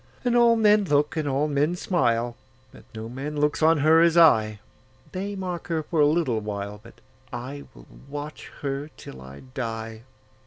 And all men look, and all men smile, But no man looks on her as I:They mark her for a little while, But I will watch her till I die.